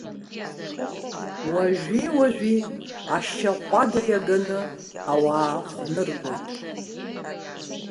Уажәи-уажәи, ашьаҟәада иаганы, ауаа хәныргоит.